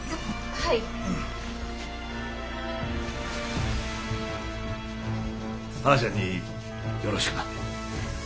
はなちゃんによろしくな。